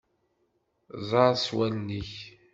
Ẓer s wallen-ik.